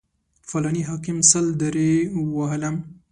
فلاني حاکم سل درې ووهلم.